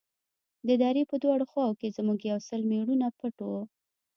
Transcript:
د درې په دواړو خواوو کښې زموږ يو سل مېړونه پټ وو.